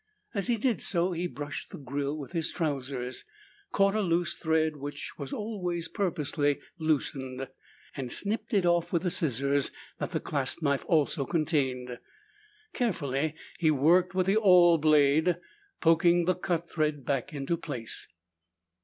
As he did so, he brushed the grill with his trousers, caught a loose thread which was always kept purposely loosened, and snipped it off with the scissors that the clasp knife also contained. Carefully he worked with the awl blade, poking the cut thread back into place.